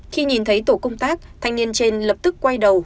khi nhìn thấy tổ công tác thanh niên trên lập tức quay đầu